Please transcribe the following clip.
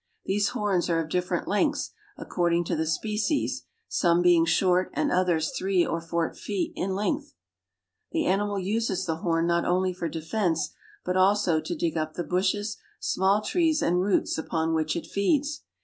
These horns are of different lengths, according to the species, some being short and others three or four feet in length. The animal uses the horn not only for de fense, but also to dig up the bushes, small trees, and roots upon which it feeds.